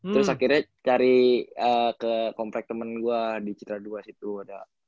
terus akhirnya cari ke komplek temen gue di citra ii situ